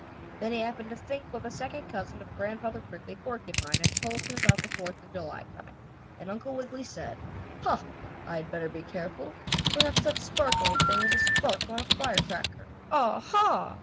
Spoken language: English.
Then he happened to think what the second cousin of Grandfather Prickly Porcupine had told him about Fourth of July coming, and Uncle Wiggily said: "Ha! I had better be careful. Perhaps that sparkling thing is a spark on a firecracker. Ah, ha!"